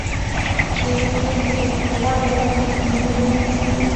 د ویښتو د غوړ لپاره د لیمو اوبه وکاروئ